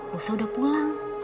bisa udah pulang